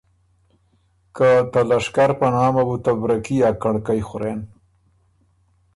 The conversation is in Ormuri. خه ته لشکر په نامه بُو ته برکي ا کنړکئ خورېن۔